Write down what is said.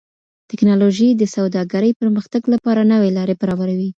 ټکنالوژي د سوداګرۍ پرمختګ لپاره نوې لارې برابروي.